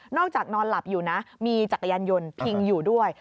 นอนหลับอยู่นะมีจักรยานยนต์พิงอยู่ด้วย